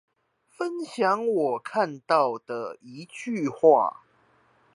分享我看到的一句話